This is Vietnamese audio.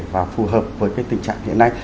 và phù hợp với cái tình trạng hiện nay